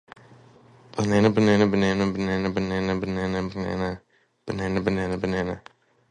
The structure is constructed of Indiana limestone, and granite from Gunnison, Colorado.